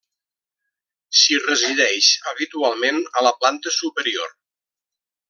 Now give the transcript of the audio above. S'hi resideix habitualment a la planta superior.